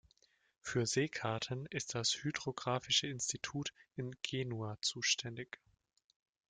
Für Seekarten ist das Hydrographische Institut in Genua zuständig.